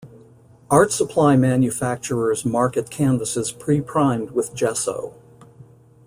Art supply manufacturers market canvases pre-primed with gesso.